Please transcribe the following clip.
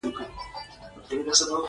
پیاز د طبعي دوا ځای نیولی دی